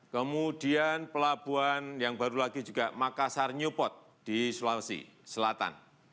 kemudian pelabuhan yang baru lagi juga makassar newport di sulawesi selatan